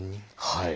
はい。